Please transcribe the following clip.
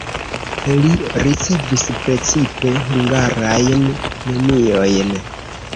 Li ricevis precipe hungarajn premiojn.